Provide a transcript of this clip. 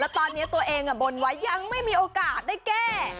ตอนนี้ตัวเองบนไว้ยังไม่มีโอกาสได้แก้